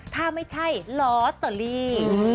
ถ้าไม่ใช่ลอตเตอรี่